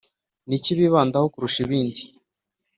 ni iki bibandaho kurusha ibindi?